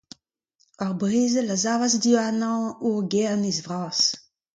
Ar brezel a savas diwarnañ ur gernezh vras.